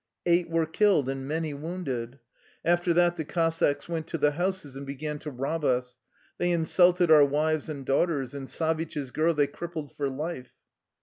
Eight were killed and many wounded. After that the Cossacks went to the houses and began to rob us. They insulted our wives and daughters, and Savitch's girl they crippled for life."